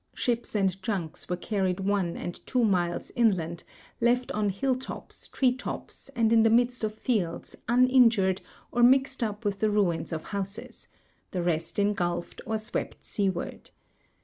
Ships and junks were car ried one and two miles inland, left on hilltops, treetops, and in the midst of fields uninjured or mixed up with the ruins of houses, the rest engulfed or swept seaward.